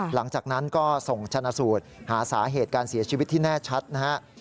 หลังจากนั้นก็ส่งชนะสูตรหาสาเหตุการเสียชีวิตที่แน่ชัดนะครับ